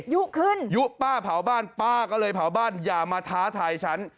ยุขึ้นยุป้าเผาบ้านป้าก็เลยเผาบ้านอย่ามาท้าทายฉัน